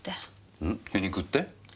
ん皮肉って？